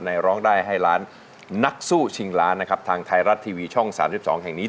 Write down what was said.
ในร้องได้ให้ร้านนักสู้ชิงร้านนะครับทางไทยรัดทีวีช่องสามสิบสองแห่งนี้